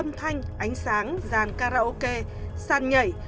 âm thanh ánh sáng dàn karaoke sàn nhảy